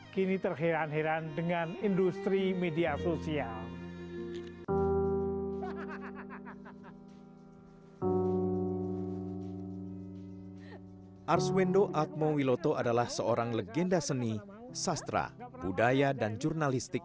kini terheran heran dengan industri media sosial